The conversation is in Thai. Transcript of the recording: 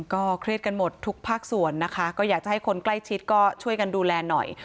ก็เครียดกันหมดทุกภาคส่วนนะคะก็อยากจะให้คนใกล้ชิดก็ช่วยกันดูแลหน่อย